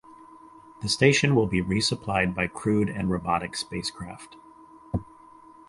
The station will be resupplied by crewed and robotic spacecraft.